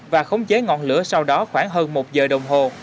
và khống chế ngọn lửa sau đó khoảng hơn một giờ đồng hồ